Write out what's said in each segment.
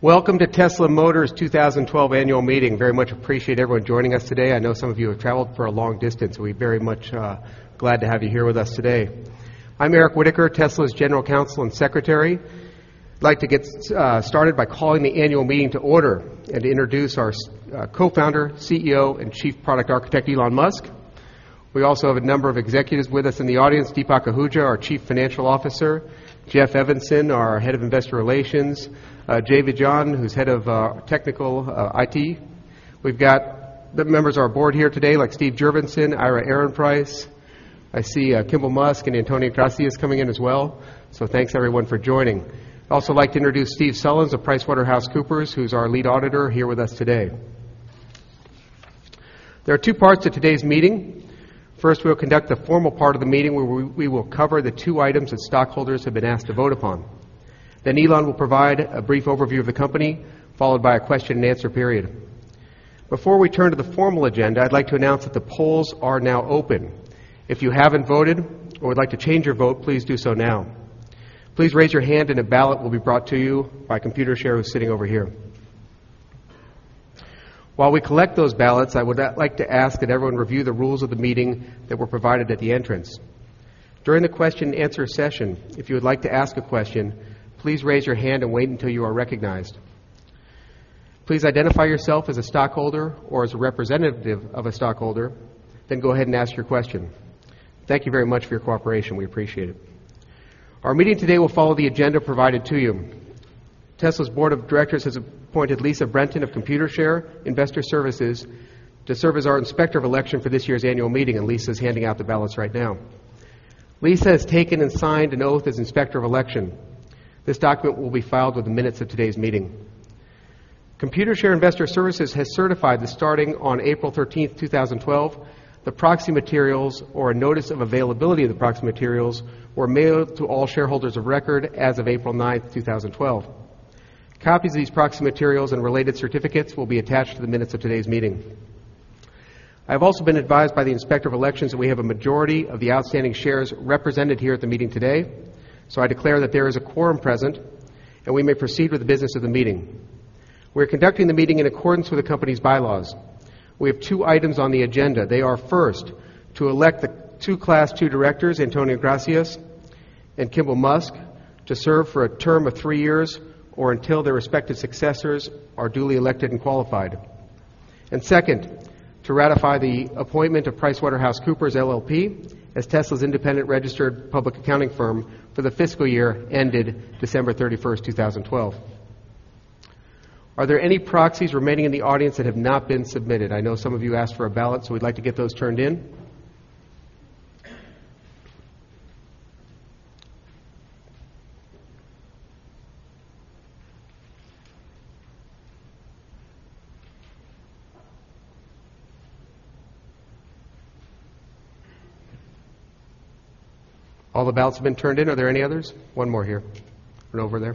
Welcome to Tesla Motors' 2012 annual meeting. Very much appreciate everyone joining us today. I know some of you have traveled for a long distance. We're very much glad to have you here with us today. I'm Eric Whitaker, Tesla's General Counsel and Secretary. I'd like to get started by calling the annual meeting to order and introduce our co-founder, CEO, and chief product architect, Elon Musk. We also have a number of executives with us in the audience. Deepak Ahuja, our Chief Financial Officer, Jeff Evanson, our head of investor relations, JB Straubel, who's head of technical IT. We've got the members of our board here today, like Steve Jurvetson, Ira Ehrenpreis. I see Kimbal Musk and Antonio Gracias coming in as well. Thanks everyone for joining. I'd also like to introduce Steve Sullens of PricewaterhouseCoopers, who's our lead auditor here with us today. There are two parts to today's meeting. First, we'll conduct the formal part of the meeting, where we will cover the two items that stockholders have been asked to vote upon. Elon will provide a brief overview of the company, followed by a question-and-answer period. Before we turn to the formal agenda, I'd like to announce that the polls are now open. If you haven't voted or would like to change your vote, please do so now. Please raise your hand and a ballot will be brought to you by a Computershare who's sitting over here. While we collect those ballots, I would like to ask that everyone review the rules of the meeting that were provided at the entrance. During the question-and-answer session, if you would like to ask a question, please raise your hand and wait until you are recognized. Please identify yourself as a stockholder or as a representative of a stockholder, then go ahead and ask your question. Thank you very much for your cooperation. We appreciate it. Our meeting today will follow the agenda provided to you. Tesla's board of directors has appointed Lisa Brenton of Computershare Investor Services to serve as our inspector of election for this year's annual meeting. Lisa is handing out the ballots right now. Lisa has taken and signed an oath as inspector of election. This document will be filed with the minutes of today's meeting. Computershare Investor Services has certified that starting on April 13th, 2012, the proxy materials or a notice of availability of the proxy materials were mailed to all shareholders of record as of April 9th, 2012. Copies of these proxy materials and related certificates will be attached to the minutes of today's meeting. I have also been advised by the inspector of elections that we have a majority of the outstanding shares represented here at the meeting today. I declare that there is a quorum present, and we may proceed with the business of the meeting. We're conducting the meeting in accordance with the company's bylaws. We have two items on the agenda. They are, first, to elect the two class 2 directors, Antonio Gracias and Kimbal Musk, to serve for a term of three years or until their respective successors are duly elected and qualified. Second, to ratify the appointment of PricewaterhouseCoopers LLP as Tesla's independent registered public accounting firm for the fiscal year ended December 31st, 2012. Are there any proxies remaining in the audience that have not been submitted? I know some of you asked for a ballot, we'd like to get those turned in. All the ballots have been turned in. Are there any others? One more here. Over there.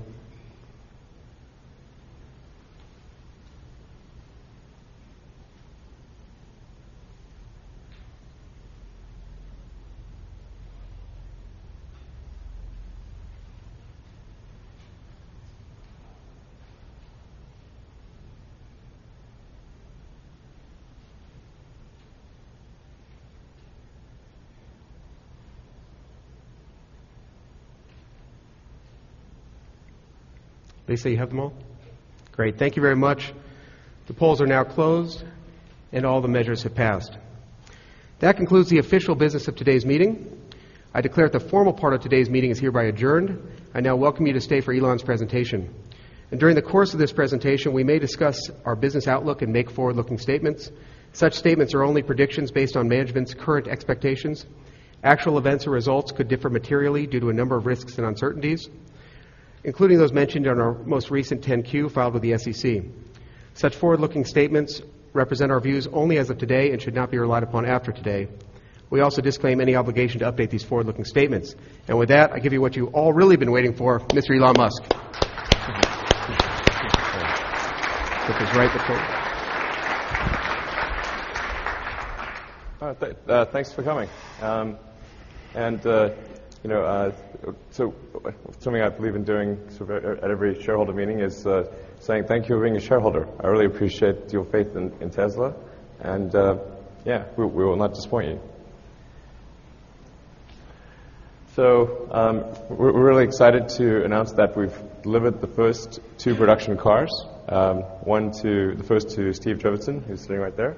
Lisa, you have them all? Great. Thank you very much. The polls are now closed. All the measures have passed. That concludes the official business of today's meeting. I declare that the formal part of today's meeting is hereby adjourned. I now welcome you to stay for Elon's presentation. During the course of this presentation, we may discuss our business outlook and make forward-looking statements. Such statements are only predictions based on management's current expectations. Actual events or results could differ materially due to a number of risks and uncertainties, including those mentioned on our most recent 10-Q filed with the SEC. Such forward-looking statements represent our views only as of today and should not be relied upon after today. We also disclaim any obligation to update these forward-looking statements. With that, I give you what you all really have been waiting for, Mr. Elon Musk. Which is right up there. Thanks for coming. Something I believe in doing so at every shareholder meeting is saying thank you for being a shareholder. I really appreciate your faith in Tesla, and yeah, we will not disappoint you. We're really excited to announce that we've delivered the first two production cars. The first to Steve Jurvetson, who's sitting right there,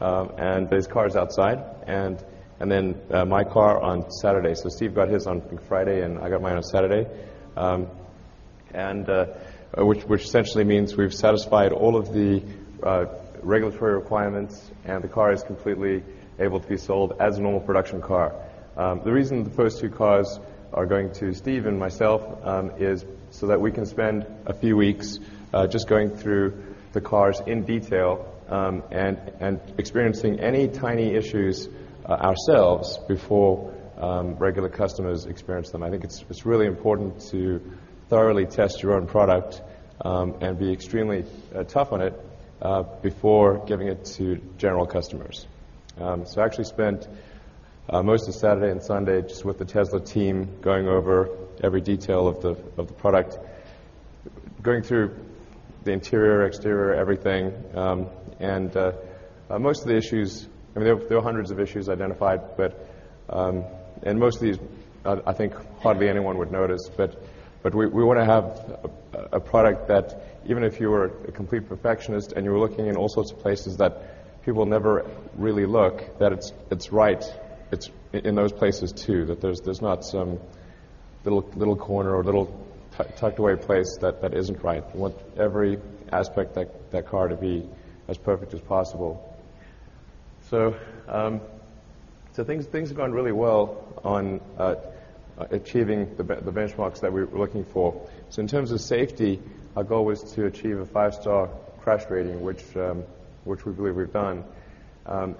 and his car is outside. Then my car on Saturday. Steve got his on Friday, and I got mine on Saturday, which essentially means we've satisfied all of the regulatory requirements, and the car is completely able to be sold as a normal production car. The reason the first two cars are going to Steve and myself is so that we can spend a few weeks just going through the cars in detail and experiencing any tiny issues ourselves before regular customers experience them. I think it's really important to thoroughly test your own product and be extremely tough on it before giving it to general customers. I actually spent Most of Saturday and Sunday just with the Tesla team going over every detail of the product. Going through the interior, exterior, everything. Most of the issues, there were hundreds of issues identified, and most of these, I think hardly anyone would notice. We want to have a product that even if you were a complete perfectionist and you were looking in all sorts of places that people never really look, that it's right in those places, too. That there's not some little corner or little tucked-away place that isn't right. We want every aspect of that car to be as perfect as possible. Things have gone really well on achieving the benchmarks that we were looking for. In terms of safety, our goal was to achieve a five-star crash rating, which we believe we've done.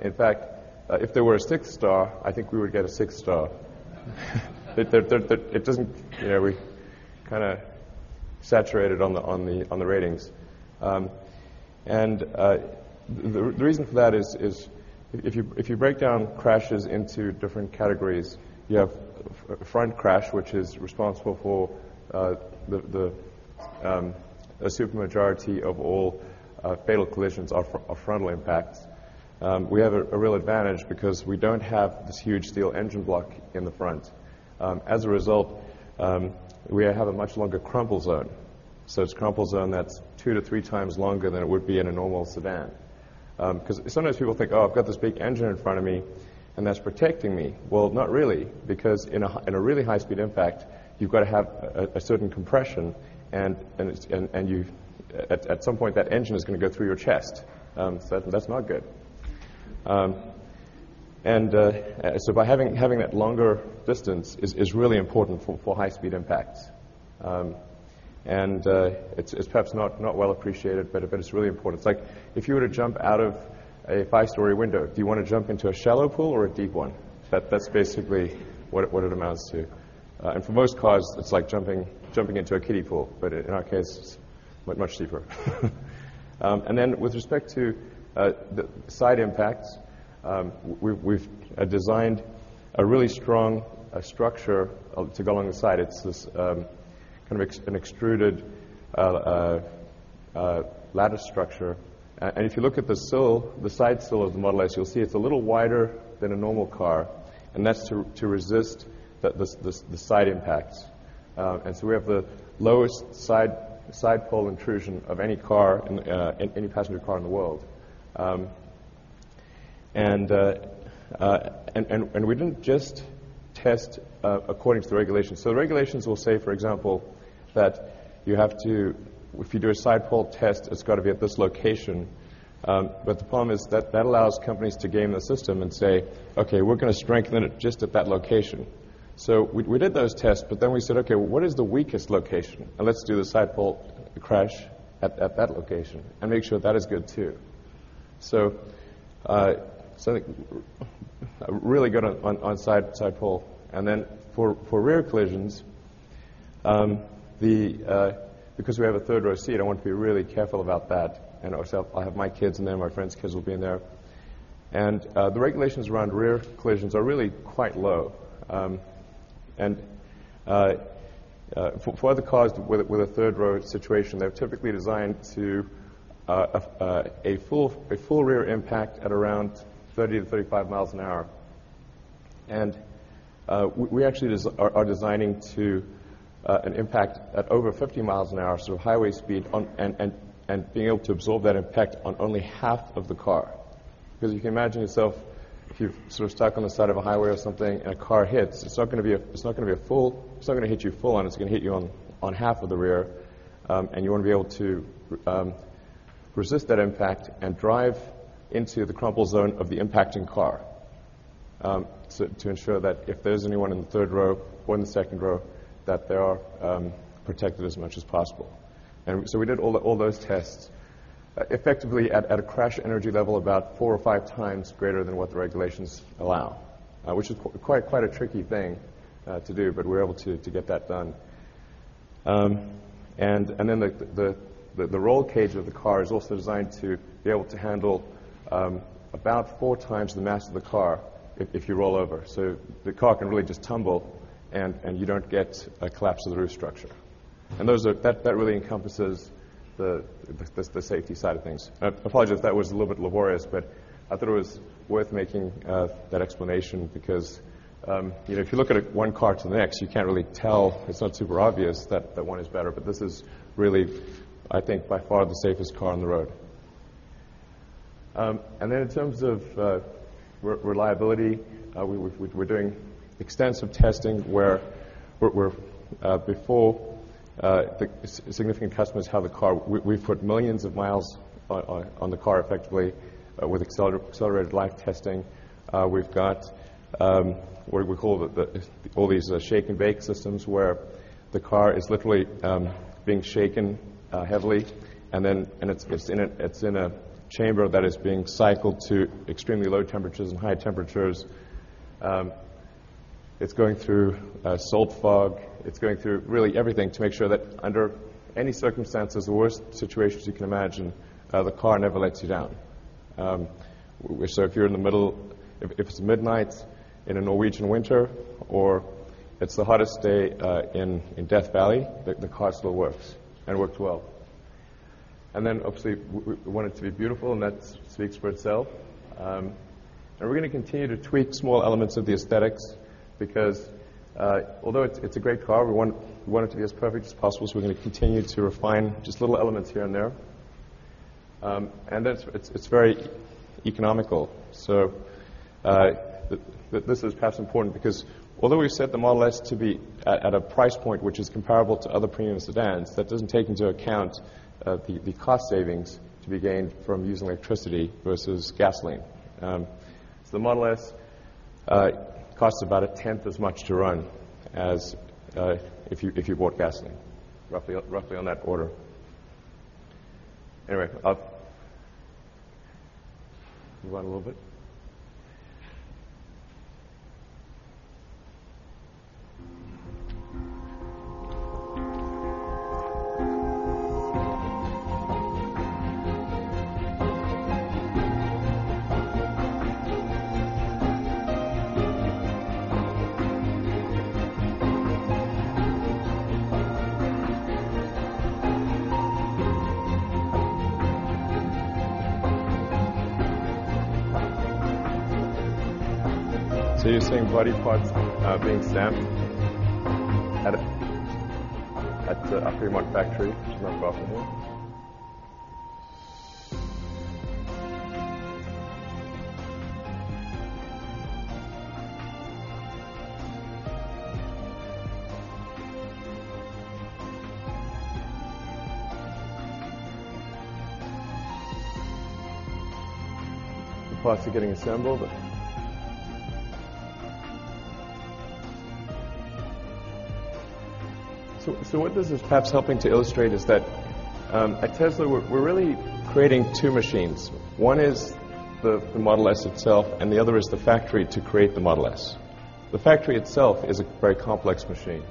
In fact, if there were a six star, I think we would get a six star. We saturated on the ratings. The reason for that is if you break down crashes into different categories, you have front crash, which is responsible for the super majority of all fatal collisions are frontal impacts. We have a real advantage because we don't have this huge steel engine block in the front. We have a much longer crumple zone. It's a crumple zone that's two to three times longer than it would be in a normal sedan. Sometimes people think, "Oh, I've got this big engine in front of me, and that's protecting me." Well, not really, because in a really high-speed impact, you've got to have a certain compression, and at some point that engine is going to go through your chest. That's not good. By having that longer distance is really important for high-speed impacts. It's perhaps not well appreciated, but it's really important. It's like if you were to jump out of a five-story window, do you want to jump into a shallow pool or a deep one? That's basically what it amounts to. For most cars, it's like jumping into a kiddie pool, but in our case, it's much deeper. With respect to the side impacts, we've designed a really strong structure to go along the side. It's this kind of an extruded lattice structure. If you look at the side sill of the Model S, you'll see it's a little wider than a normal car, and that's to resist the side impacts. We have the lowest side pole intrusion of any passenger car in the world. We didn't just test according to the regulations. The regulations will say, for example, that if you do a side pole test, it's got to be at this location. The problem is that allows companies to game the system and say, "Okay, we're going to strengthen it just at that location." We did those tests, but then we said, "Okay, what is the weakest location? Let's do a side pole crash at that location and make sure that is good, too." Really good on side pole. For rear collisions, because we have a third-row seat, I want to be really careful about that. Also, I have my kids in there, my friend's kids will be in there. The regulations around rear collisions are really quite low. For other cars with a third-row situation, they're typically designed to a full rear impact at around 30-35 miles an hour. We actually are designing to an impact at over 50 miles an hour, so highway speed, and being able to absorb that impact on only half of the car. You can imagine yourself if you're stuck on the side of a highway or something and a car hits, it's not going to hit you full on. It's going to hit you on half of the rear. You want to be able to resist that impact and drive into the crumple zone of the impacting car to ensure that if there's anyone in the third row or in the second row, that they are protected as much as possible. We did all those tests effectively at a crash energy level about four or five times greater than what the regulations allow, which is quite a tricky thing to do, but we were able to get that done. The roll cage of the car is also designed to be able to handle about four times the mass of the car if you roll over. The car can really just tumble, and you don't get a collapse of the roof structure. That really encompasses the safety side of things. I apologize if that was a little bit laborious, I thought it was worth making that explanation because if you look at one car to the next, you can't really tell. It's not super obvious that one is better, this is really, I think, by far the safest car on the road. In terms of reliability, we're doing extensive testing where before significant customers have the car. We've put millions of miles on the car effectively with accelerated life testing. We've got what we call all these shake and bake systems where the car is literally being shaken heavily, and it's in a chamber that is being cycled to extremely low temperatures and high temperatures. It's going through salt fog. It's going through really everything to make sure that under any circumstances, the worst situations you can imagine, the car never lets you down. If it's midnight in a Norwegian winter or it's the hottest day in Death Valley, the car still works, and works well. Obviously, we want it to be beautiful, and that speaks for itself. We're going to continue to tweak small elements of the aesthetics because, although it's a great car, we want it to be as perfect as possible. We're going to continue to refine just little elements here and there. It's very economical. This is perhaps important because although we set the Model S to be at a price point which is comparable to other premium sedans, that doesn't take into account the cost savings to be gained from using electricity versus gasoline. The Model S costs about a tenth as much to run as if you bought gasoline. Roughly on that order. Anyway, up. You want a little bit? You're seeing body parts being stamped at our Fremont factory, which is right across from here. The parts are getting assembled. What this is perhaps helping to illustrate is that at Tesla, we're really creating two machines. One is the Model S itself, and the other is the factory to create the Model S. The factory itself is a very complex machine.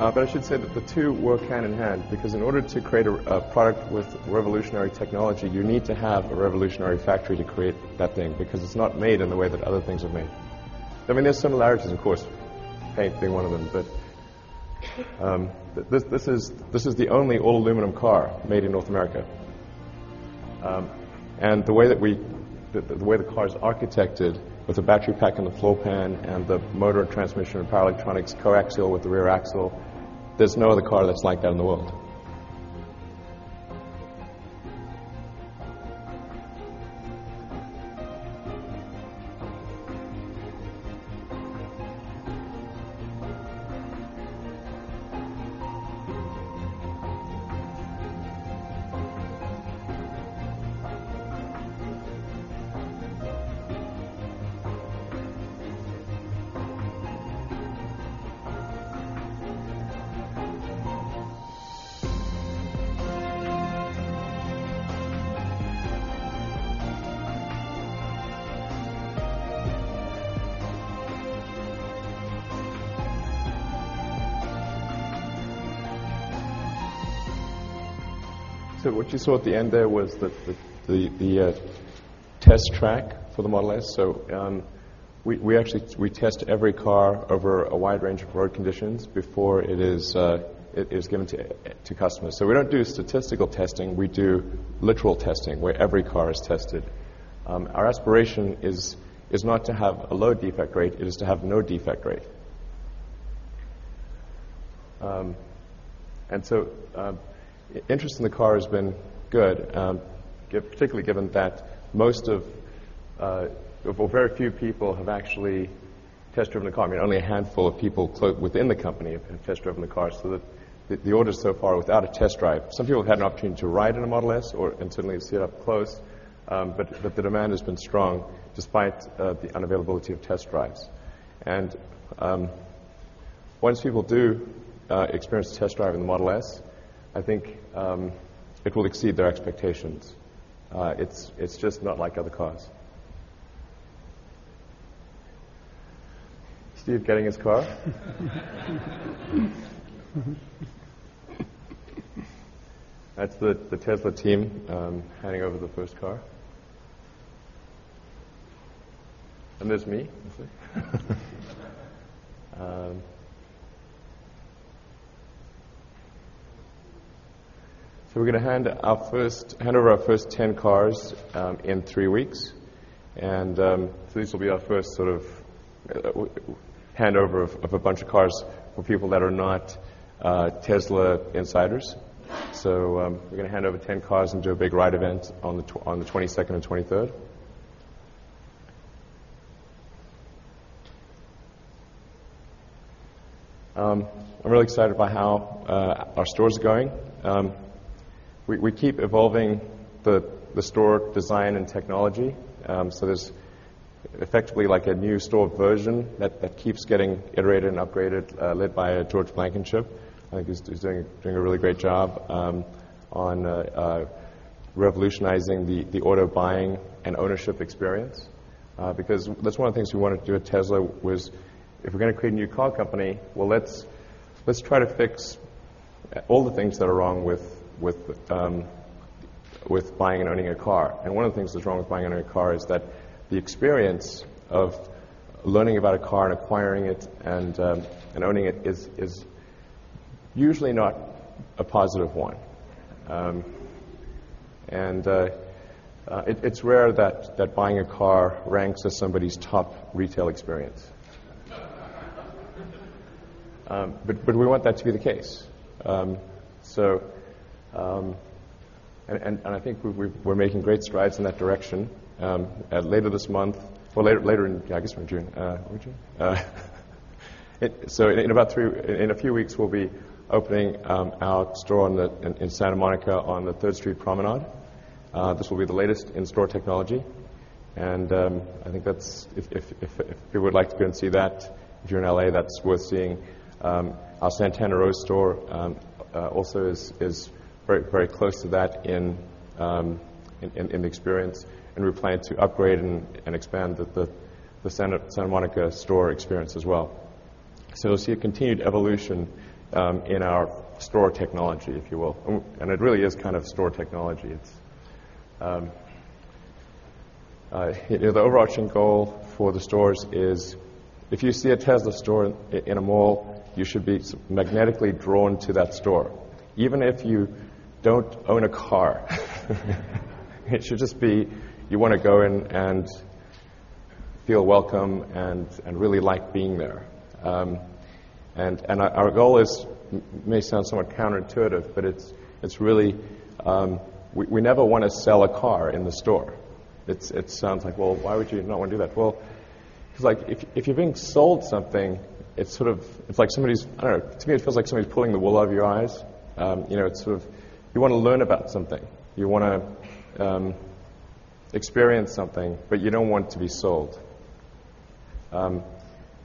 I should say that the two work hand in hand because in order to create a product with revolutionary technology, you need to have a revolutionary factory to create that thing because it's not made in the way that other things are made. There are similarities, of course, paint being one of them, this is the only all-aluminum car made in North America. The way the car is architected with the battery pack and the floor pan and the motor and transmission and power electronics co-axial with the rear axle, there's no other car that's like that in the world. What you saw at the end there was the test track for the Model S. We test every car over a wide range of road conditions before it is given to customers. We don't do statistical testing. We do literal testing, where every car is tested. Our aspiration is not to have a low defect rate. It is to have no defect rate. Interest in the car has been good, particularly given that very few people have actually test-driven the car. Only a handful of people within the company have test-driven the car. The orders so far are without a test drive. Some people have had an opportunity to ride in a Model S and certainly see it up close. The demand has been strong despite the unavailability of test drives. Once people do experience a test drive in the Model S, I think it will exceed their expectations. It's just not like other cars. Steve getting his car. That's the Tesla team handing over the first car. There's me. We're going to hand over our first 10 cars in three weeks. These will be our first handover of a bunch of cars for people that are not Tesla insiders. We're going to hand over 10 cars and do a big ride event on the 22nd and 23rd. I'm really excited by how our store's going. We keep evolving the store design and technology. There's Effectively like a new store version that keeps getting iterated and upgraded, led by George Blankenship. I think he's doing a really great job on revolutionizing the auto buying and ownership experience. That's one of the things we wanted to do at Tesla was, if we're going to create a new car company, well, let's try to fix all the things that are wrong with buying and owning a car. One of the things that's wrong with buying and owning a car is that the experience of learning about a car and acquiring it and owning it is usually not a positive one. It's rare that buying a car ranks as somebody's top retail experience. We want that to be the case. I think we're making great strides in that direction. Later this month or later in, yeah, I guess we're in June. Are we June? In a few weeks, we'll be opening our store in Santa Monica on the 3rd Street Promenade. This will be the latest in-store technology. I think if people would like to go and see that, if you're in L.A., that's worth seeing. Our Santana Row store also is very close to that in experience, and we plan to upgrade and expand the Santa Monica store experience as well. You'll see a continued evolution in our store technology, if you will. It really is store technology. The overarching goal for the stores is if you see a Tesla store in a mall, you should be magnetically drawn to that store, even if you don't own a car. It should just be, you want to go in and feel welcome and really like being there. Our goal is, may sound somewhat counterintuitive, but it's really we never want to sell a car in the store. It sounds like, well, why would you not want to do that? Because if you're being sold something, it's like somebody's, I don't know. To me, it feels like somebody's pulling the wool out of your eyes. You want to learn about something. You want to experience something, but you don't want to be sold.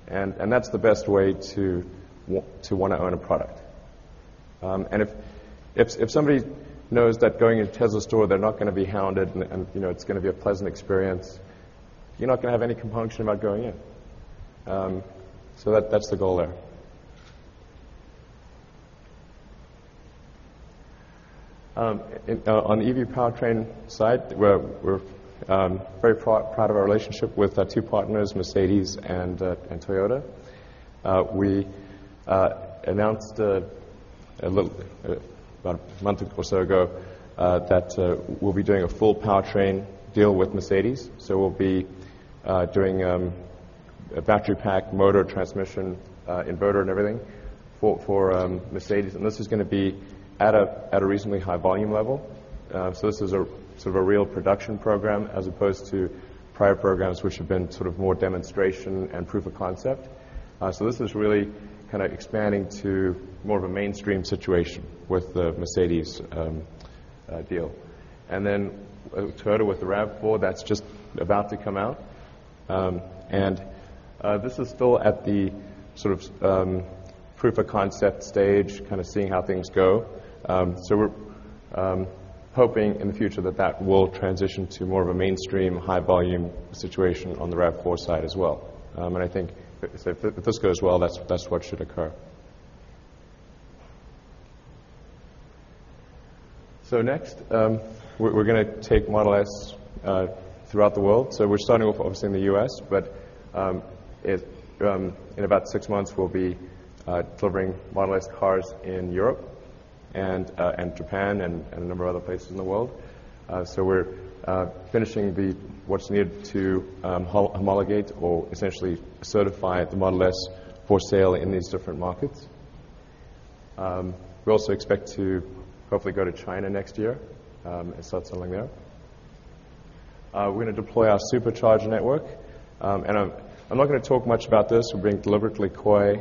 That's the best way to want to own a product. If somebody knows that going into a Tesla store, they're not going to be hounded and it's going to be a pleasant experience, you're not going to have any compunction about going in. That's the goal there. On the EV powertrain side, we're very proud of our relationship with our two partners, Mercedes and Toyota. We announced about a month or so ago that we'll be doing a full powertrain deal with Mercedes. We'll be doing a battery pack, motor, transmission, inverter and everything for Mercedes, and this is going to be at a reasonably high volume level. This is a real production program as opposed to prior programs, which have been more demonstration and proof of concept. This is really expanding to more of a mainstream situation with the Mercedes deal. Toyota with the RAV4, that's just about to come out. This is still at the proof of concept stage, seeing how things go. We're hoping in the future that that will transition to more of a mainstream high volume situation on the RAV4 side as well. I think if this goes well, that's what should occur. Next, we're going to take Model S throughout the world. We're starting off, obviously, in the U.S., but in about six months, we'll be delivering Model S cars in Europe and Japan, and a number of other places in the world. We're finishing what's needed to homologate or essentially certify the Model S for sale in these different markets. We also expect to hopefully go to China next year and start selling there. We're going to deploy our Supercharger network. I'm not going to talk much about this. We're being deliberately coy.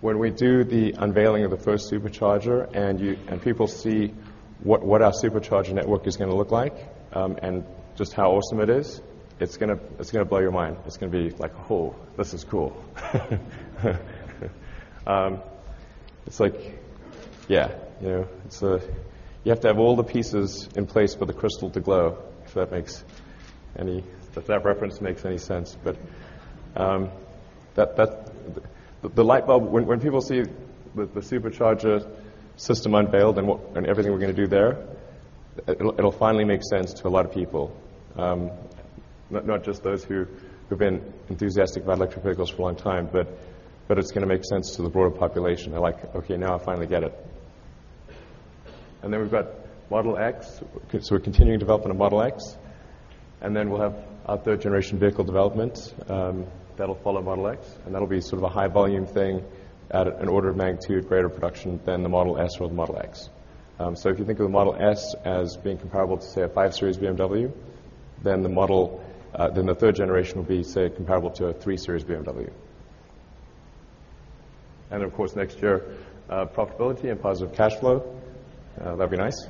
When we do the unveiling of the first Supercharger and people see what our Supercharger network is going to look like and just how awesome it is, it's going to blow your mind. It's going to be like, "Oh, this is cool." It's like, yeah. You have to have all the pieces in place for the crystal to glow, if that reference makes any sense. The light bulb, when people see the Supercharger system unveiled and everything we're going to do there, it'll finally make sense to a lot of people. Not just those who have been enthusiastic about electric vehicles for a long time, but it's going to make sense to the broader population. They're like, "Okay, now I finally get it." Then we've got Model X. We're continuing development of Model X. Then we'll have our third generation vehicle development that'll follow Model X. That'll be a high volume thing at an order of magnitude greater production than the Model S or the Model X. If you think of the Model S as being comparable to, say, a 5 Series BMW, then the third generation will be, say, comparable to a 3 Series BMW. Of course, next year, profitability and positive cash flow. That'd be nice.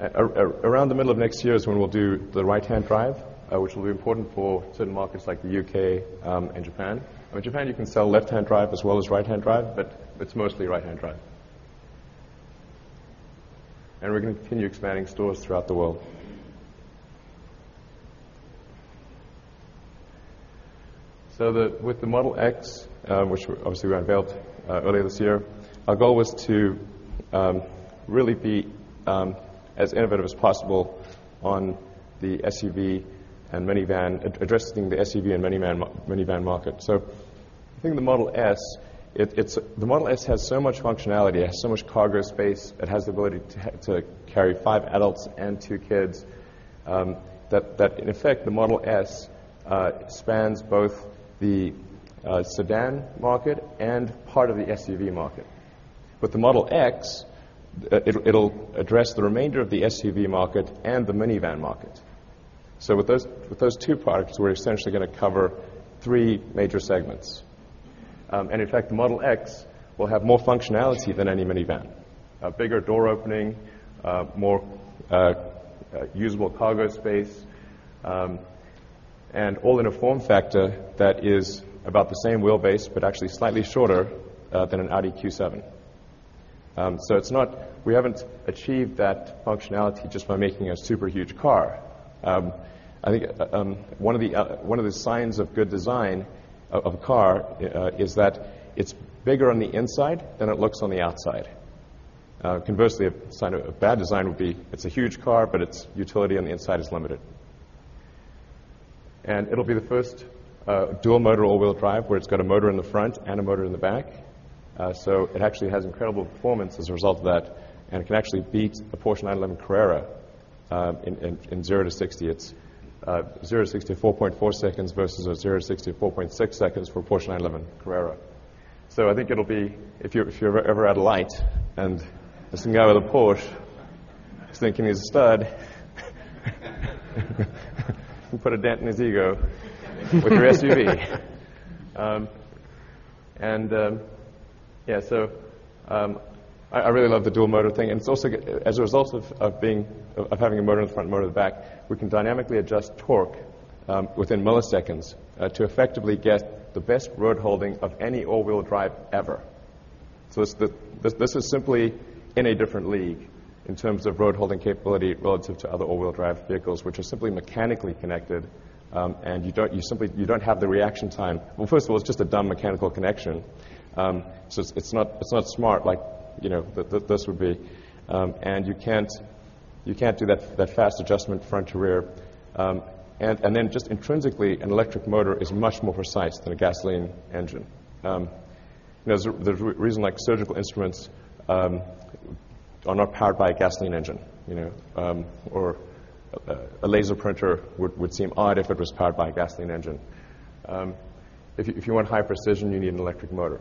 Around the middle of next year is when we'll do the right-hand drive, which will be important for certain markets like the U.K. and Japan. In Japan, you can sell left-hand drive as well as right-hand drive, but it's mostly right-hand drive. We're going to continue expanding stores throughout the world. With the Model X, which obviously we unveiled earlier this year, our goal was to really be as innovative as possible on the SUV and minivan, addressing the SUV and minivan market. I think the Model S has so much functionality. It has so much cargo space. It has the ability to carry five adults and two kids. That in effect, the Model S spans both the sedan market and part of the SUV market. With the Model X, it'll address the remainder of the SUV market and the minivan market. With those two products, we're essentially going to cover three major segments. In fact, the Model X will have more functionality than any minivan. A bigger door opening, more usable cargo space, and all in a form factor that is about the same wheelbase, but actually slightly shorter than an Audi Q7. We haven't achieved that functionality just by making a super huge car. I think one of the signs of good design of a car, is that it's bigger on the inside than it looks on the outside. Conversely, a sign of a bad design would be it's a huge car, but its utility on the inside is limited. It'll be the first dual motor all-wheel drive, where it's got a motor in the front and a motor in the back. It actually has incredible performance as a result of that, and it can actually beat a Porsche 911 Carrera in zero to 60. It's zero to 60 in 4.4 seconds versus a zero to 60 in 4.6 seconds for a Porsche 911 Carrera. I think if you're ever at a light and there's some guy with a Porsche who's thinking he's a stud. We'll put a dent in his ego with your SUV. I really love the dual motor thing. As a result of having a motor in the front and motor in the back, we can dynamically adjust torque within milliseconds, to effectively get the best roadholding of any all-wheel drive ever. This is simply in a different league in terms of roadholding capability relative to other all-wheel drive vehicles, which are simply mechanically connected. You don't have the reaction time. Well, first of all, it's just a dumb mechanical connection. It's not smart like this would be. You can't do that fast adjustment front to rear. Then just intrinsically, an electric motor is much more precise than a gasoline engine. There's a reason surgical instruments are not powered by a gasoline engine. A laser printer would seem odd if it was powered by a gasoline engine. If you want high precision, you need an electric motor.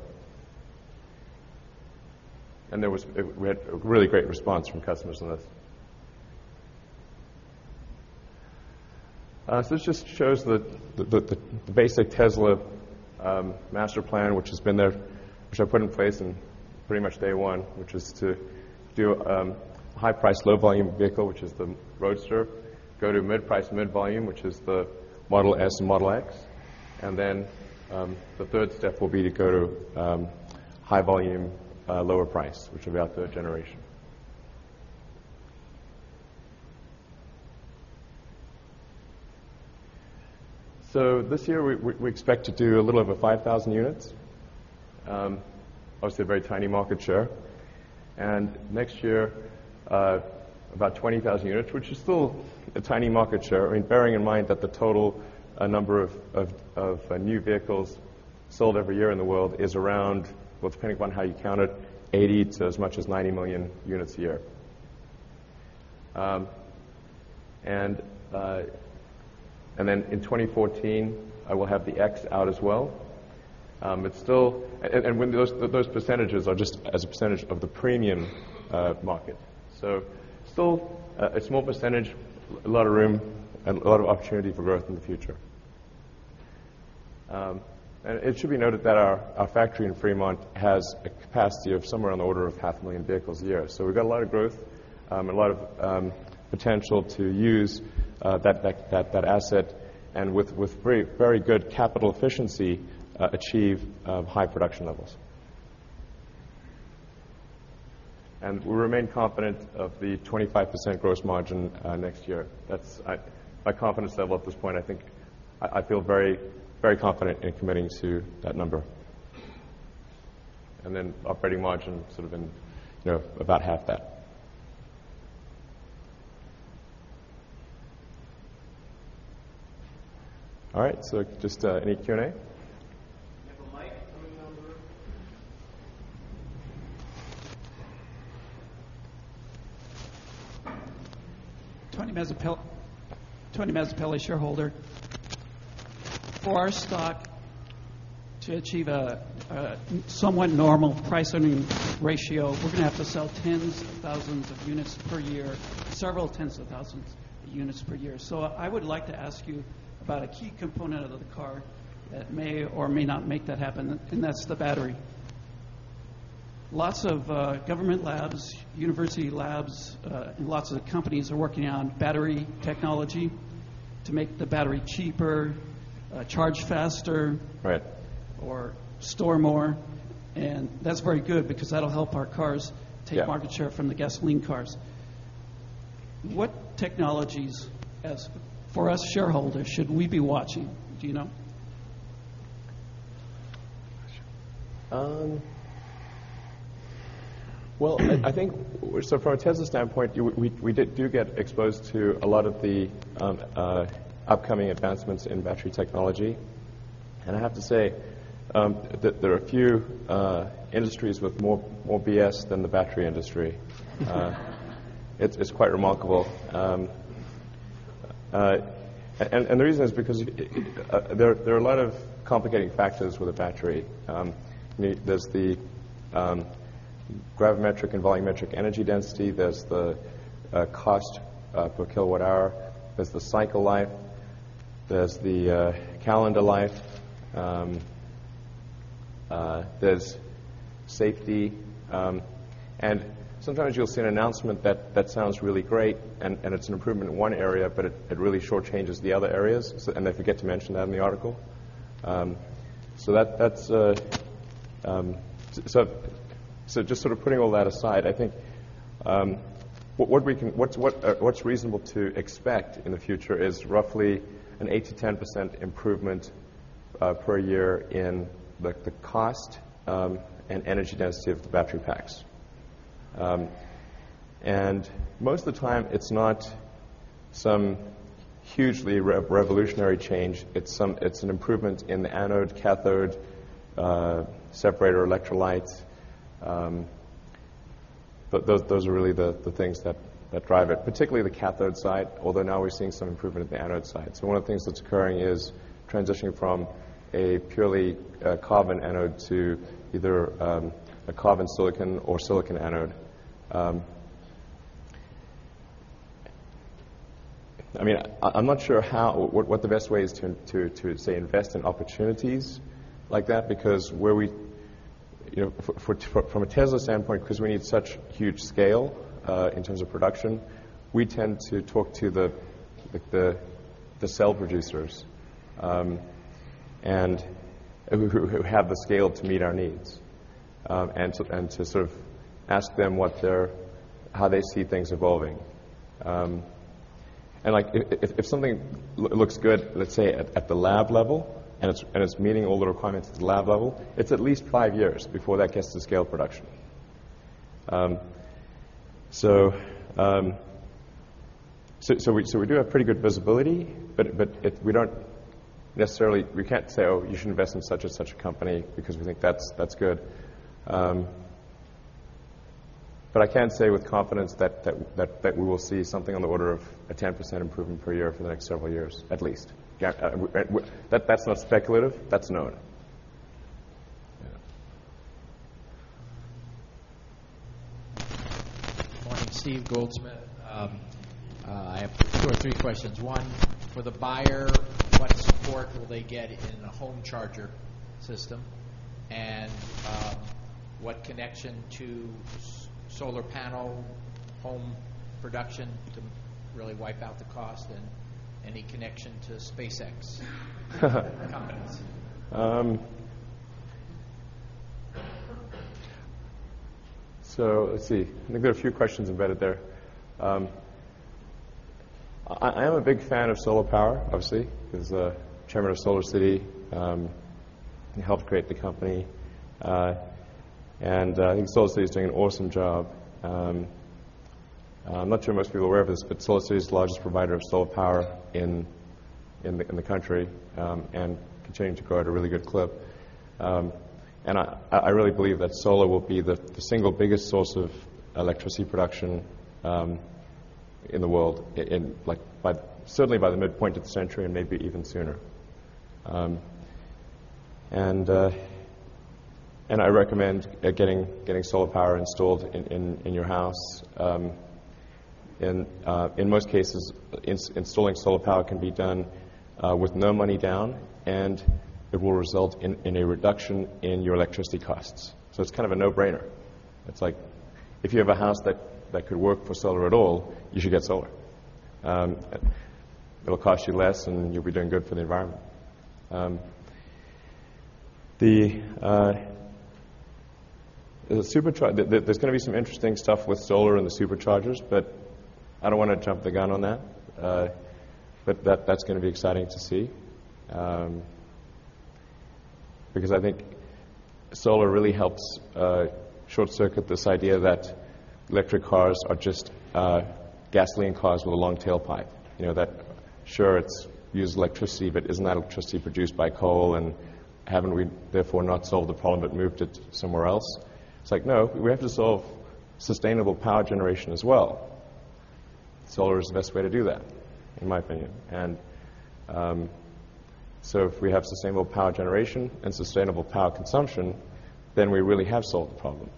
We had a really great response from customers on this. This just shows the basic Tesla Master Plan, which I put in place in pretty much day one, which was to do a high price, low volume vehicle, which is the Roadster. Go to mid price, mid volume, which is the Model S and Model X. The third step will be to go to high volume, lower price, which will be our third generation. This year, we expect to do a little over 5,000 units. Obviously, a very tiny market share. Next year, about 20,000 units, which is still a tiny market share. Bearing in mind that the total number of new vehicles sold every year in the world is around, well, depending upon how you count it, 80 to as much as 90 million units a year. In 2014, I will have the X out as well. Those percentages are just as a percentage of the premium market. Still a small percentage, a lot of room, and a lot of opportunity for growth in the future. It should be noted that our factory in Fremont has a capacity of somewhere on the order of half a million vehicles a year. We've got a lot of growth and a lot of potential to use that asset and with very good capital efficiency, achieve high production levels. We remain confident of the 25% gross margin next year. My confidence level at this point, I think, I feel very confident in committing to that number. Operating margin sort of about half that. All right. Just any Q&A? We have a mic coming down the room. Tony Mazzapeli, shareholder. To achieve a somewhat normal price-earning ratio, we're going to have to sell tens of thousands of units per year, several tens of thousands of units per year. I would like to ask you about a key component of the car that may or may not make that happen, and that's the battery. Lots of government labs, university labs, and lots of companies are working on battery technology to make the battery cheaper, charge faster- Right or store more. That's very good because that'll help our cars take- Yeah market share from the gasoline cars. What technologies, for us shareholders, should we be watching? Do you know? Well, I think from a Tesla standpoint, we do get exposed to a lot of the upcoming advancements in battery technology. I have to say, that there are few industries with more BS than the battery industry. It's quite remarkable. The reason is because there are a lot of complicating factors with a battery. There's the gravimetric and volumetric energy density, there's the cost per kilowatt-hour, there's the cycle life, there's the calendar life, there's safety. Sometimes you'll see an announcement that sounds really great, and it's an improvement in one area, but it really short-changes the other areas, and they forget to mention that in the article. Just sort of putting all that aside, I think what's reasonable to expect in the future is roughly an 8% to 10% improvement per year in the cost and energy density of the battery packs. Most of the time, it's not some hugely revolutionary change. It's an improvement in the anode, cathode, separator electrolytes. Those are really the things that drive it, particularly the cathode side, although now we're seeing some improvement at the anode side. One of the things that's occurring is transitioning from a purely carbon anode to either a carbon silicon or silicon anode. I'm not sure what the best way is to, say, invest in opportunities like that because from a Tesla standpoint, because we need such huge scale in terms of production, we tend to talk to the cell producers who have the scale to meet our needs, to sort of ask them how they see things evolving. If something looks good, let's say, at the lab level, and it's meeting all the requirements at the lab level, it's at least five years before that gets to scale production. We do have pretty good visibility, but we can't say, "Oh, you should invest in such and such a company because we think that's good." But I can say with confidence that we will see something on the order of a 10% improvement per year for the next several years at least. That's not speculative. That's known. Yeah. Good morning. Steve Goldsmith. I have two or three questions. One, for the buyer, what support will they get in a home charger system? What connection to solar panel home production to really wipe out the cost and any connection to SpaceX components? Let's see. I think there are a few questions embedded there. I am a big fan of solar power, obviously, as the chairman of SolarCity and helped create the company. I think SolarCity is doing an awesome job. I'm not sure most people are aware of this, SolarCity is the largest provider of solar power in the country, continuing to grow at a really good clip. I really believe that solar will be the single biggest source of electricity production in the world, certainly by the midpoint of the century and maybe even sooner. I recommend getting solar power installed in your house. In most cases, installing solar power can be done with no money down, it will result in a reduction in your electricity costs. It's kind of a no-brainer. It's like if you have a house that could work for solar at all, you should get solar. It'll cost you less, and you'll be doing good for the environment. There's going to be some interesting stuff with solar and the Superchargers, but I don't want to jump the gun on that. That's going to be exciting to see, because I think solar really helps short-circuit this idea that electric cars are just gasoline cars with a long tailpipe. Sure, it uses electricity, but isn't that electricity produced by coal, and haven't we therefore not solved the problem, but moved it somewhere else? It's like, no, we have to solve sustainable power generation as well. Solar is the best way to do that, in my opinion. If we have sustainable power generation and sustainable power consumption, then we really have solved the problem.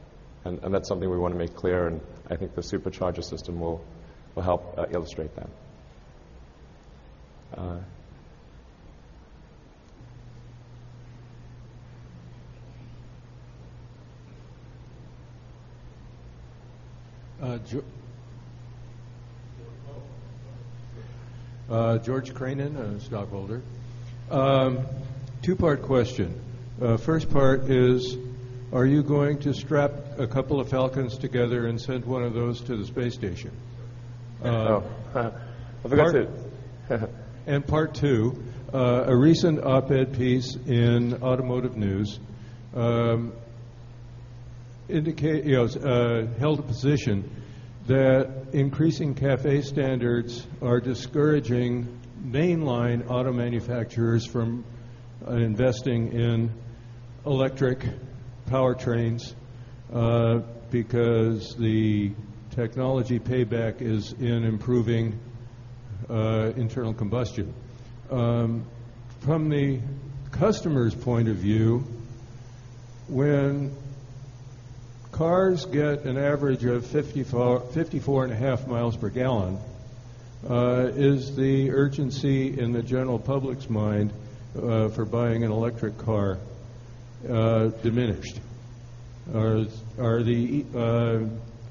That's something we want to make clear, and I think the Supercharger system will help illustrate that. George Cranen, a stockholder. Two-part question. First part is, are you going to strap a couple of Falcons together and send one of those to the space station? No. I forgot to. Part two, a recent op-ed piece in Automotive News held a position that increasing CAFE standards are discouraging mainline auto manufacturers from investing in electric powertrains, because the technology payback is in improving internal combustion. From the customer's point of view, when cars get an average of 54.5 miles per gallon, is the urgency in the general public's mind for buying an electric car diminished? Are the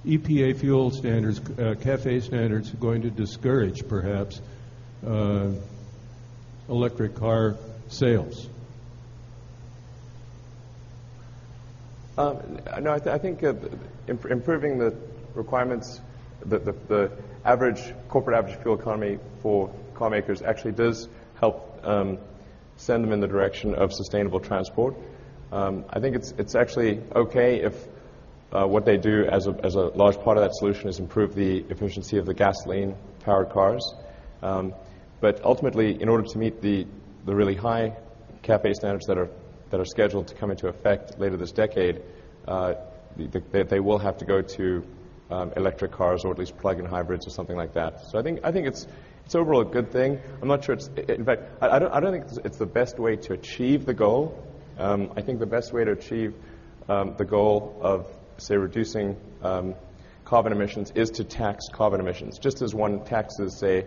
EPA fuel standards, CAFE standards, going to discourage, perhaps, electric car sales? No, I think improving the requirements, the Corporate Average Fuel Economy for car makers actually does help send them in the direction of sustainable transport. I think it's actually okay if what they do as a large part of that solution is improve the efficiency of the gasoline-powered cars. But ultimately, in order to meet the really high CAFE standards that are scheduled to come into effect later this decade, they will have to go to electric cars or at least plug-in hybrids or something like that. I think it's overall a good thing. I don't think it's the best way to achieve the goal. I think the best way to achieve the goal of, say, reducing carbon emissions is to tax carbon emissions, just as one taxes, say,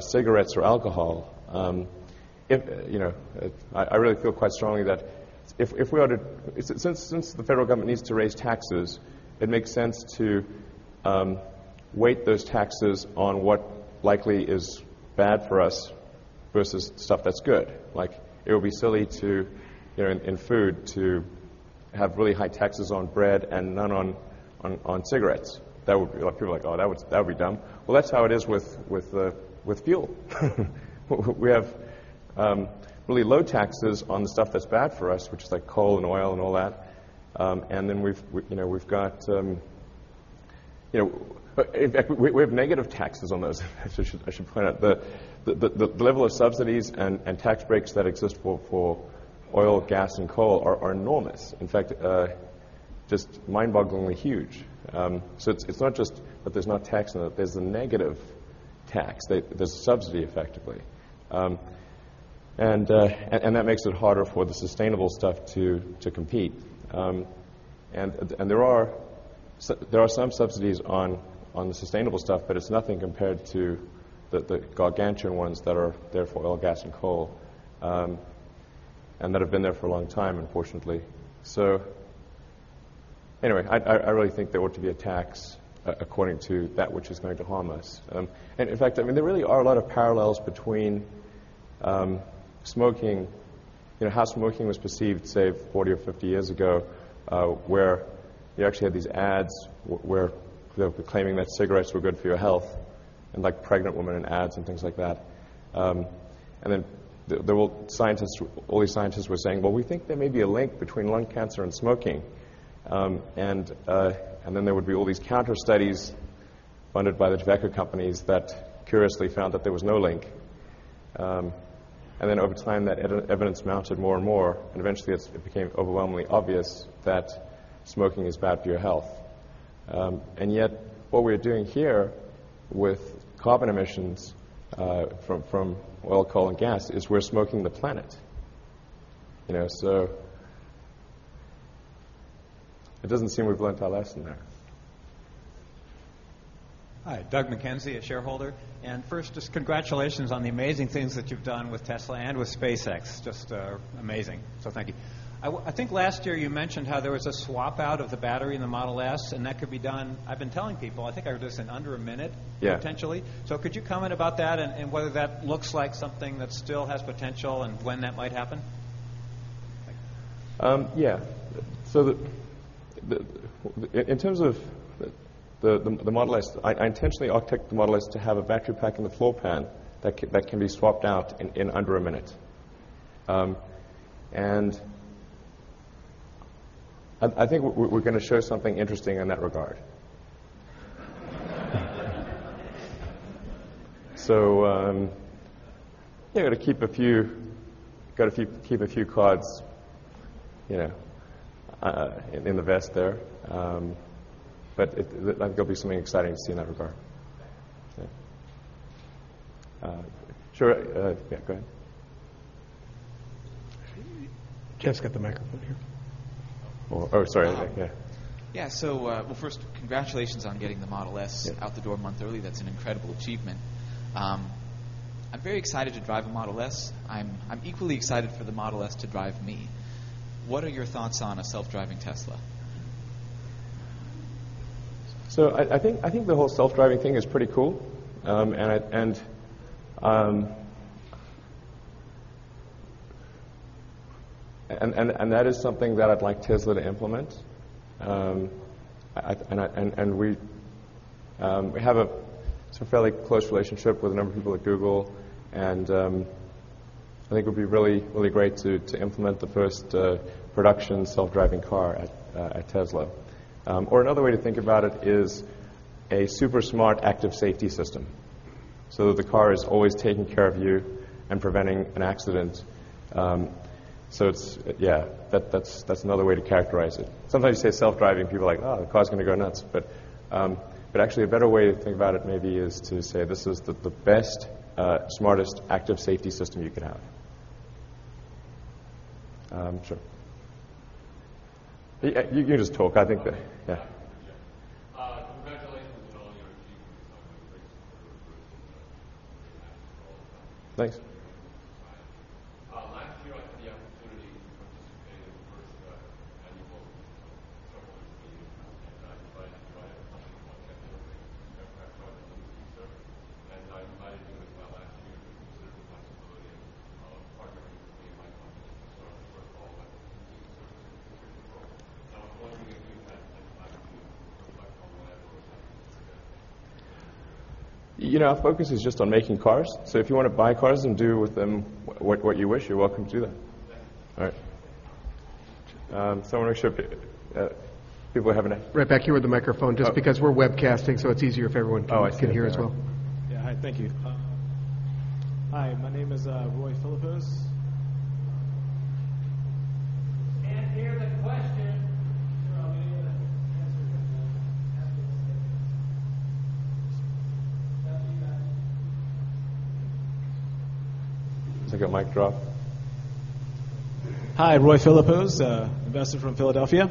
cigarettes or alcohol. I really feel quite strongly that since the federal government needs to raise taxes, it makes sense to weight those taxes on what likely is bad for us versus stuff that's good. It would be silly in food to have really high taxes on bread and none on cigarettes. People are like, "Oh, that would be dumb." That's how it is with fuel. We have really low taxes on the stuff that's bad for us, which is coal and oil and all that. In fact, we have negative taxes on those, I should point out. The level of subsidies and tax breaks that exist for oil, gas, and coal are enormous. In fact, just mind-bogglingly huge. So it's not just that there's no tax on it, there's a negative tax. There's a subsidy, effectively. That makes it harder for the sustainable stuff to compete. There are some subsidies on the sustainable stuff, but it's nothing compared to the gargantuan ones that are there for oil, gas, and coal, and that have been there for a long time, unfortunately. Anyway, I really think there ought to be a tax according to that which is going to harm us. In fact, there really are a lot of parallels between how smoking was perceived, say, 40 or 50 years ago, where you actually had these ads claiming that cigarettes were good for your health, and pregnant women in ads and things like that. Then all these scientists were saying, "Well, we think there may be a link between lung cancer and smoking." Then there would be all these counter studies funded by the tobacco companies that curiously found that there was no link. Over time, that evidence mounted more and more, eventually it became overwhelmingly obvious that smoking is bad for your health. What we're doing here with carbon emissions from oil, coal, and gas is we're smoking the planet. It doesn't seem we've learned our lesson there. Hi. Doug McKenzie, a shareholder. First, just congratulations on the amazing things that you've done with Tesla and with SpaceX, just amazing. Thank you. I think last year you mentioned how there was a swap out of the battery in the Model S, that could be done, I've been telling people, I think I heard this, in under a minute. Yeah Potentially. Could you comment about that, whether that looks like something that still has potential, when that might happen? In terms of the Model S, I intentionally architected the Model S to have a battery pack in the floor pan that can be swapped out in under a minute. I think we're going to show something interesting in that regard. You're going to keep a few cards in the vest there. I think there'll be something exciting to see in that regard. Yeah. Sure. Yeah, go ahead. Jeff's got the microphone here. Oh, sorry. Yeah. Yeah. Well, first, congratulations on getting the Model S- Yeah out the door a month early. That's an incredible achievement. I'm very excited to drive a Model S. I'm equally excited for the Model S to drive me. What are your thoughts on a self-driving Tesla? I think the whole self-driving thing is pretty cool. That is something that I'd like Tesla to implement. We have a fairly close relationship with a number of people at Google, I think it would be really great to implement the first production self-driving car at Tesla. Another way to think about it is a super smart active safety system, so that the car is always taking care of you and preventing an accident. Yeah, that's another way to characterize it. Sometimes you say self-driving, people are like, "Oh, the car's going to go nuts." Actually, a better way to think about it maybe is to say this is the best, smartest active safety system you could have. Sure. You can just talk. Yeah. Yeah. Yeah. Congratulations on all your achievements Thanks. Last year, I had the opportunity to participate in the first annual, I invited you as well last year to consider the possibility of partnering with me and my company to start a service and repair control. Now, I was wondering if you had any time to reflect on whatever Our focus is just on making cars. If you want to buy cars and do with them what you wish, you're welcome to do that. Okay. All right. Right back here with the microphone, just because we're webcasting, so it's easier if everyone can hear as well. Oh, I see. Yeah. Yeah. Hi, thank you. Hi, my name is Roy Philipose. Can't hear the question. Sure. I'll be able to answer him then. It's up to you guys. It's like a mic drop. Hi, Roy Philipose, investor from Philadelphia.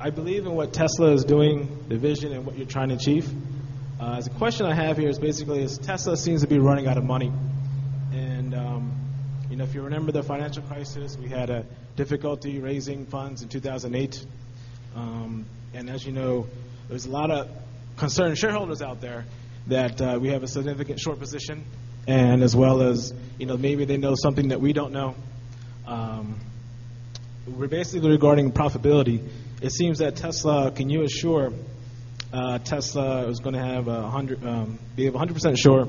I believe in what Tesla is doing, the vision, and what you're trying to achieve. The question I have here is basically, Tesla seems to be running out of money. If you remember the financial crisis, we had a difficulty raising funds in 2008. As you know, there's a lot of concerned shareholders out there that we have a significant short position and as well as maybe they know something that we don't know. Basically regarding profitability, it seems that Tesla, can you assure Tesla is going to be 100% sure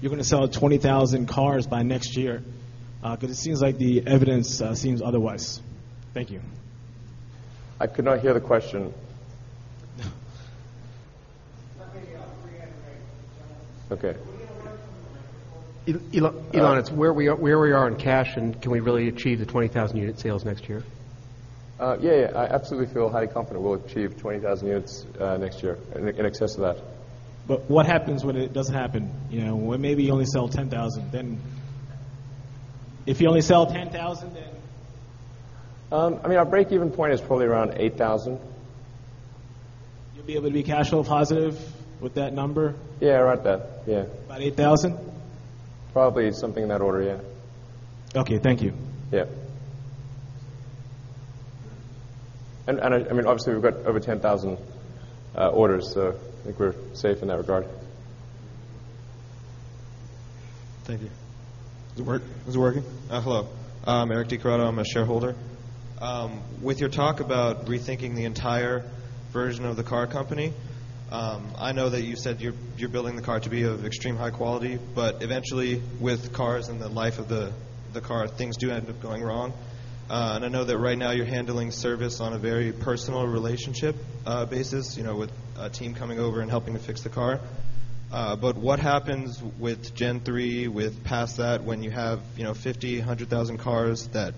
you're going to sell 20,000 cars by next year? It seems like the evidence seems otherwise. Thank you. I could not hear the question. Let me Okay. from the microphone. Elon, it's where we are on cash, and can we really achieve the 20,000 unit sales next year? Yeah. I absolutely feel highly confident we'll achieve 20,000 units next year, in excess of that. What happens when it doesn't happen? Maybe you only sell 10,000. If you only sell 10,000. Our break-even point is probably around 8,000. You'll be able to be cash flow positive with that number? Yeah, around that. Yeah. About 8,000? Probably something in that order, yeah. Okay. Thank you. Yeah. Obviously, we've got over 10,000 orders, I think we're safe in that regard. Thank you. Does it work? Is it working? Hello. I'm Eric Decroto, I'm a shareholder. With your talk about rethinking the entire version of the car company, I know that you said you're building the car to be of extreme high quality, eventually with cars and the life of the car, things do end up going wrong. I know that right now you're handling service on a very personal relationship basis, with a team coming over and helping to fix the car. What happens with Gen 3, with past that, when you have 50, 100,000 cars that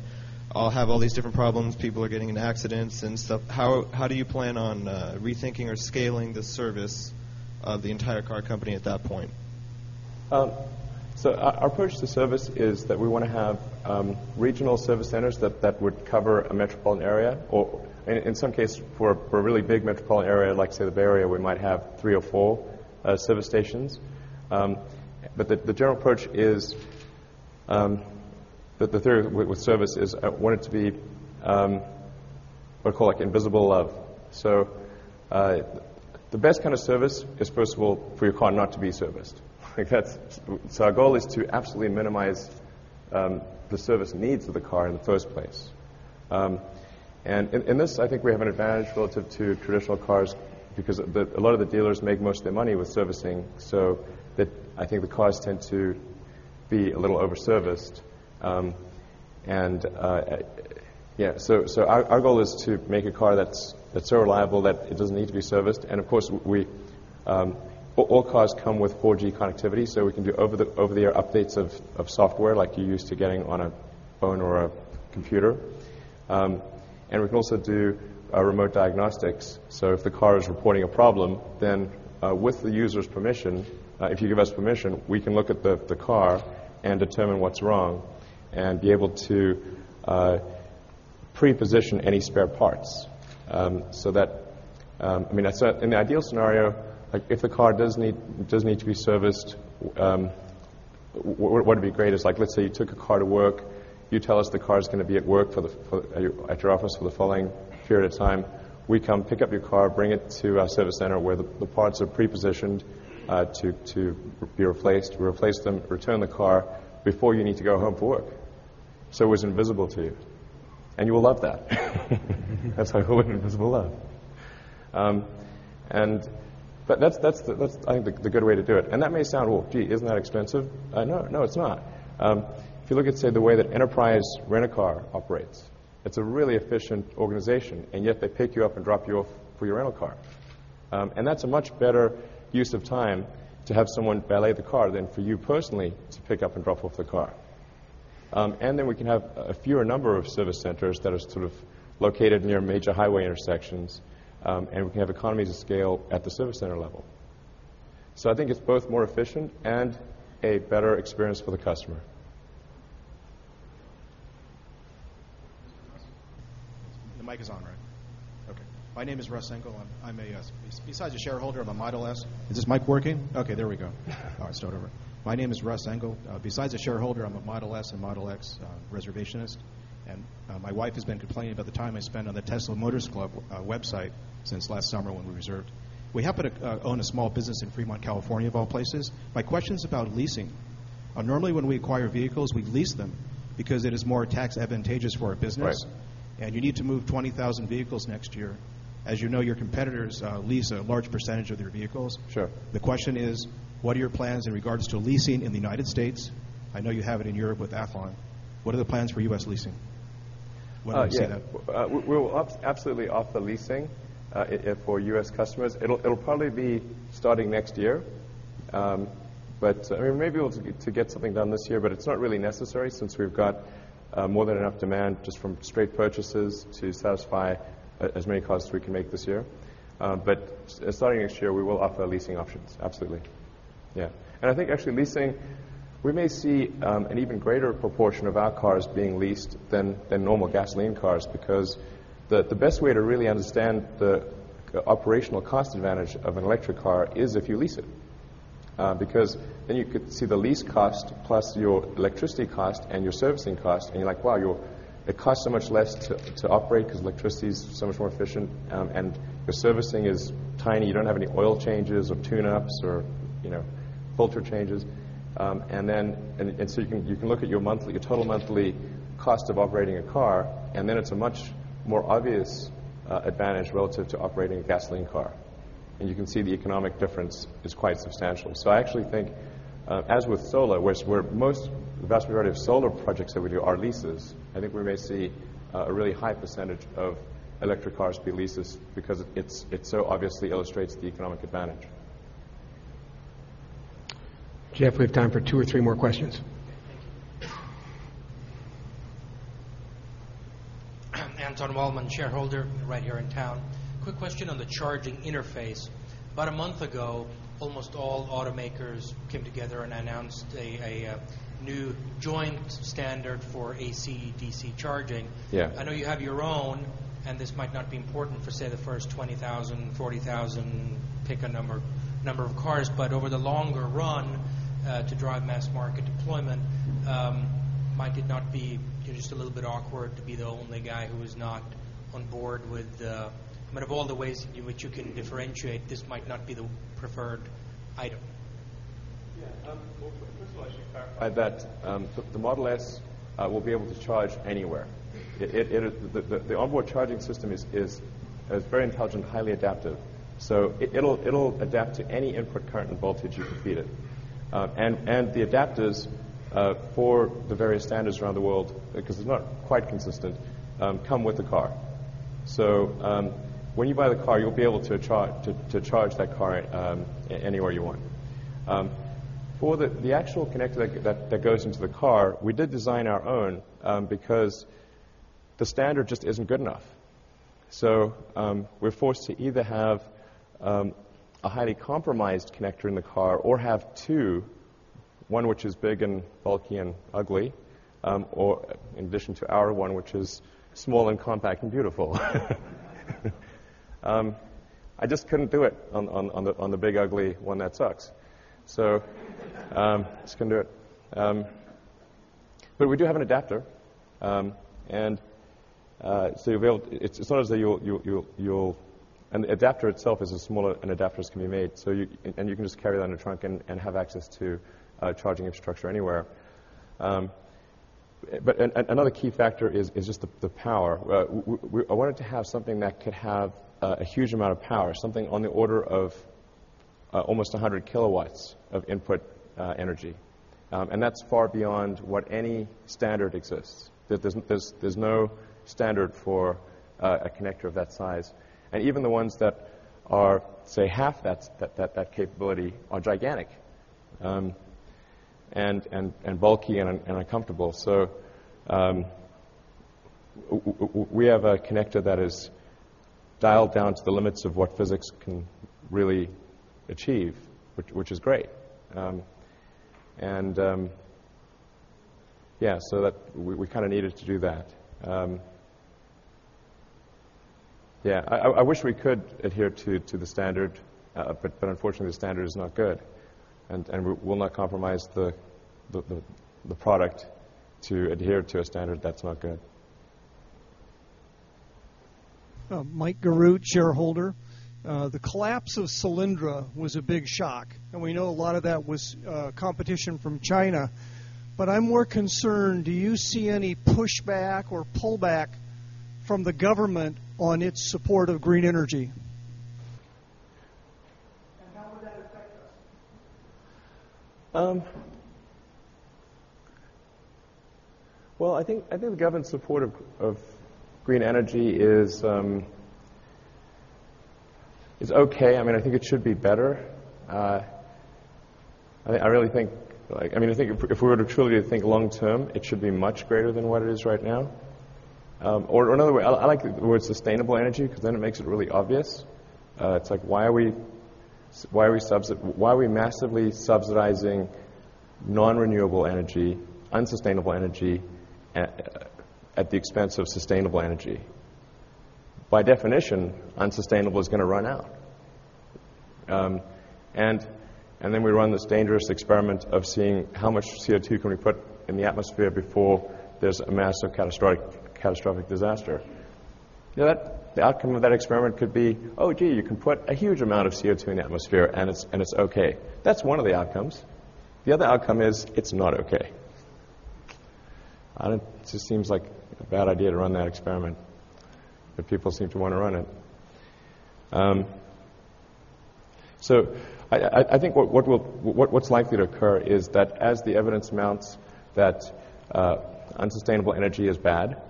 all have all these different problems, people are getting in accidents and stuff. How do you plan on rethinking or scaling the service of the entire car company at that point? Our approach to service is that we want to have regional service centers that would cover a metropolitan area, or in some case, for a really big metropolitan area like, say, the Bay Area, we might have three or four service stations. The general approach is that the theory with service is I want it to be what I call invisible love. The best kind of service is, first of all, for your car not to be serviced. Our goal is to absolutely minimize the service needs of the car in the first place. In this, I think we have an advantage relative to traditional cars because a lot of the dealers make most of their money with servicing. I think the cars tend to be a little over-serviced. Yeah. Our goal is to make a car that's so reliable that it doesn't need to be serviced. Of course, all cars come with 4G connectivity, so we can do over-the-air updates of software like you're used to getting on a phone or a computer. We can also do remote diagnostics. If the car is reporting a problem, then with the user's permission, if you give us permission, we can look at the car and determine what's wrong and be able to pre-position any spare parts. In the ideal scenario, if the car does need to be serviced, what would be great is, let's say you took a car to work. You tell us the car's going to be at work at your office for the following period of time. We come, pick up your car, bring it to our service center, where the parts are pre-positioned to be replaced. We replace them, return the car before you need to go home from work. It was invisible to you, and you will love that. That's who would invisible love. That's, I think, the good way to do it. That may sound, well, gee, isn't that expensive? No, it's not. If you look at, say, the way that Enterprise Rent-A-Car operates, it's a really efficient organization, and yet they pick you up and drop you off for your rental car. That's a much better use of time to have someone valet the car than for you personally to pick up and drop off the car. We can have a fewer number of service centers that are sort of located near major highway intersections. We can have economies of scale at the service center level. I think it's both more efficient and a better experience for the customer. The mic is on, right? Okay. My name is Russ Engel. Besides a shareholder, I'm a Model S and Model X reservationist. My wife has been complaining about the time I spend on the Tesla Motors Club website since last summer when we reserved. We happen to own a small business in Fremont, California, of all places. My question's about leasing. Normally, when we acquire vehicles, we lease them because it is more tax advantageous for our business. Right. You need to move 20,000 vehicles next year. As you know, your competitors lease a large percentage of their vehicles. Sure. The question is, what are your plans in regards to leasing in the U.S.? I know you have it in Europe with Athlon. What are the plans for U.S. leasing? When do we see that? Yeah. We will absolutely offer leasing for U.S. customers. It'll probably be starting next year. We may be able to get something done this year, but it's not really necessary since we've got more than enough demand just from straight purchases to satisfy as many cars as we can make this year. Starting next year, we will offer leasing options, absolutely. Yeah. I think actually leasing, we may see an even greater proportion of our cars being leased than normal gasoline cars because the best way to really understand the operational cost advantage of an electric car is if you lease it. Because then you could see the lease cost plus your electricity cost and your servicing cost, and you're like, wow, it costs so much less to operate because electricity is so much more efficient. And your servicing is tiny. You don't have any oil changes or tune-ups or filter changes. You can look at your total monthly cost of operating a car, and then it's a much more obvious advantage relative to operating a gasoline car. You can see the economic difference is quite substantial. I actually think, as with solar, where the vast majority of solar projects that we do are leases, I think we may see a really high percentage of electric cars be leases because it so obviously illustrates the economic advantage. Jeff, we have time for two or three more questions. Yeah, thank you. Anton Wahlman, shareholder, right here in town. Quick question on the charging interface. About a month ago, almost all automakers came together and announced a new joint standard for AC/DC charging. Yeah. I know you have your own. This might not be important for, say, the first 20,000, 40,000, pick a number, of cars. Over the longer run, to drive mass market deployment, might it not be just a little bit awkward to be the only guy who was not on board? Of all the ways in which you can differentiate, this might not be the preferred item. Yeah. Well, first of all, I should clarify that the Model S will be able to charge anywhere. The onboard charging system is very intelligent and highly adaptive. It'll adapt to any input current and voltage you can feed it. The adapters for the various standards around the world, because they're not quite consistent, come with the car. When you buy the car, you'll be able to charge that car anywhere you want. For the actual connector that goes into the car, we did design our own because the standard just isn't good enough. We're forced to either have a highly compromised connector in the car or have two, one which is big and bulky and ugly, in addition to our one, which is small and compact and beautiful. I just couldn't do it on the big ugly one that sucks. We do have an adapter. The adapter itself is as small an adapter as can be made. You can just carry that in the trunk and have access to charging infrastructure anywhere. Another key factor is just the power. I wanted to have something that could have a huge amount of power, something on the order of almost 100 kilowatts of input energy. That's far beyond what any standard exists. There's no standard for a connector of that size. Even the ones that are, say, half that capability are gigantic and bulky and uncomfortable. We have a connector that is dialed down to the limits of what physics can really achieve, which is great. We kind of needed to do that. I wish we could adhere to the standard, but unfortunately, the standard is not good. We will not compromise the product to adhere to a standard that's not good. Mike Garoot, shareholder. The collapse of Solyndra was a big shock, and we know a lot of that was competition from China. I'm more concerned, do you see any pushback or pullback from the government on its support of green energy? How would that affect us? I think the government support of green energy is okay. I think it should be better. If we were to truly think long term, it should be much greater than what it is right now. Another way, I like the word sustainable energy because then it makes it really obvious. It's like, why are we massively subsidizing non-renewable energy, unsustainable energy at the expense of sustainable energy? By definition, unsustainable is going to run out. Then we run this dangerous experiment of seeing how much CO2 can we put in the atmosphere before there's a massive catastrophic disaster. The outcome of that experiment could be, oh, gee, you can put a huge amount of CO2 in the atmosphere and it's okay. That's one of the outcomes. The other outcome is it's not okay. It just seems like a bad idea to run that experiment, but people seem to want to run it. I think what's likely to occur is that as the evidence mounts that unsustainable energy is bad,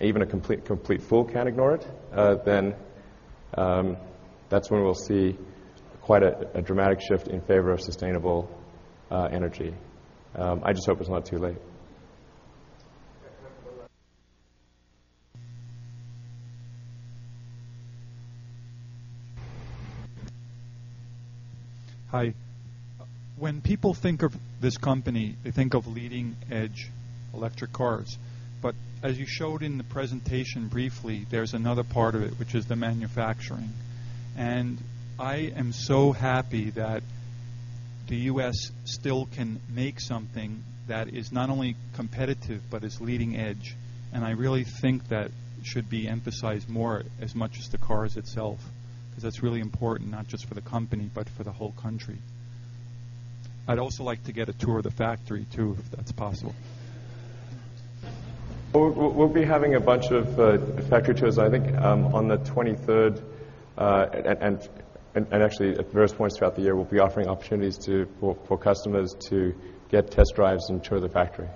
even a complete fool can't ignore it, then that's when we'll see quite a dramatic shift in favor of sustainable energy. I just hope it's not too late. Hi. As you showed in the presentation briefly, there's another part of it, which is the manufacturing. I am so happy that the U.S. still can make something that is not only competitive but is leading edge, and I really think that should be emphasized more as much as the cars itself, because that's really important, not just for the company, but for the whole country. I'd also like to get a tour of the factory, too, if that's possible. We'll be having a bunch of factory tours, I think, on the 23rd. Actually, at various points throughout the year, we'll be offering opportunities for customers to get test drives and tour the factory.